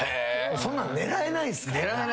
そんなん狙えないっす。